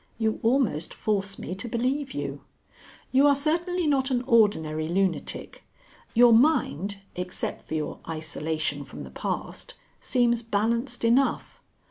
You almost force me to believe you. You are certainly not an ordinary lunatic. Your mind except for your isolation from the past seems balanced enough.